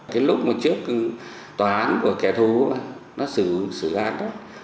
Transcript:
cái lúc mà trước tòa án của kẻ thù nó xử án đó